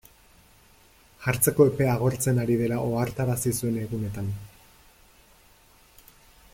Jartzeko epea agortzen ari dela ohartarazi zuen egunetan.